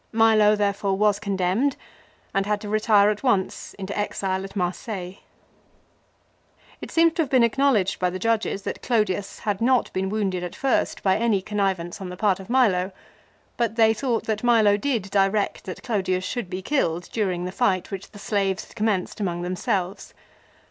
Milo there fore was condemned and had to retire at once into exile at Marseilles. It seems to have been acknowledged by the judges that Clodius had not been wounded at first by any connivance on the part of Milo ; but they thought that Milo did direct that Clodius should be killed during the fight which the slaves had commenced among themselves.